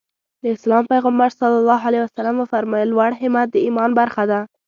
د اسلام پيغمبر ص وفرمايل لوړ همت د ايمان برخه ده.